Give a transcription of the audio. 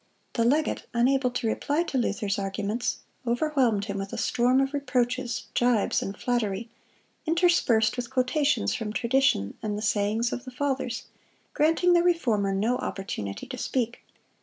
The legate, unable to reply to Luther's arguments, overwhelmed him with a storm of reproaches, gibes, and flattery, interspersed with quotations from tradition and the sayings of the Fathers, granting the Reformer no opportunity to speak.